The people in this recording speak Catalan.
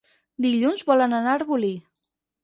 Dilluns volen anar a Arbolí.